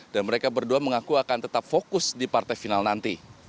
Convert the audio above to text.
dan mereka berdua mengaku akan tetap fokus di partai final nanti